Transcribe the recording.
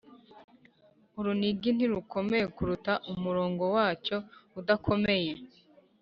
urunigi ntirukomeye kuruta umurongo wacyo udakomeye.